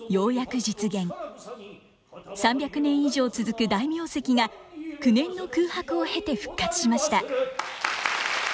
３００年以上続く大名跡が９年の空白を経て復活しました。